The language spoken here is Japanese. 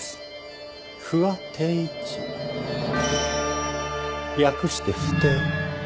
不破貞一略して「不貞」。